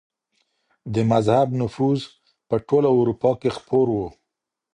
د مذهب نفوذ په ټوله اروپا کي خپور و.